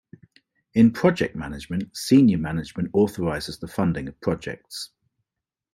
In project management, senior management authorises the funding of projects.